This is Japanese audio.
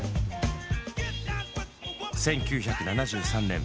１９７３年